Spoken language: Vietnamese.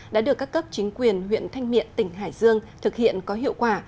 đã được các cấp chính quyền huyện thanh miện tỉnh hải dương thực hiện có hiệu quả